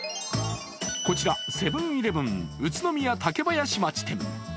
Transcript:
こちら、セブン‐イレブン宇都宮竹林町店。